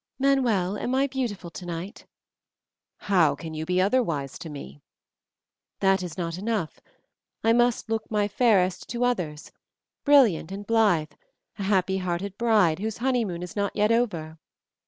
Manuel, am I beautiful tonight?" "How can you be otherwise to me?" "That is not enough. I must look my fairest to others, brilliant and blithe, a happy hearted bride whose honeymoon is not yet over."